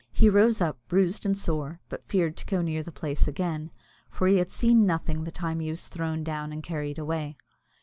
He rose up, bruised and sore, but feared to go near the place again, for he had seen nothing the time he was thrown down and carried away.